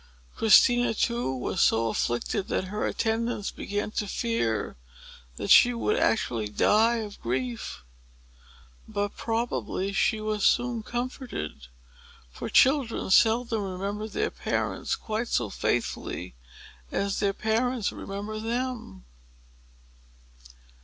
Christina, too, was so afflicted that her attendants began to fear that she would actually die of grief. But probably she was soon comforted; for children seldom remember their parents quite so faithfully as their parents remember them.